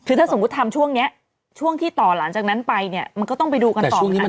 คือถ้าสมมุติทำช่วงนี้ช่วงที่ต่อหลังจากนั้นไปเนี่ยมันก็ต้องไปดูกันต่อค่ะ